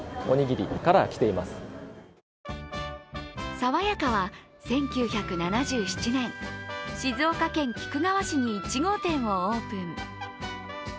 さわやかは１９７７年静岡県菊川市に１号店をオープン。